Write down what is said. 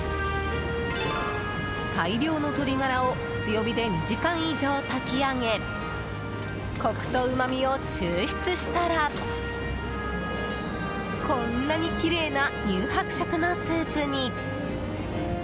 大量の鶏ガラを強火で２時間以上炊き上げコクとうまみを抽出したらこんなにきれいな乳白色のスープに。